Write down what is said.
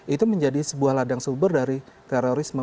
itu menjadi sebuah ladang sumber dari terorisme